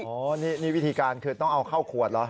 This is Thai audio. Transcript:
โอ้โหนี่วิธีการคือต้องเอาเข้าขวดเหรอ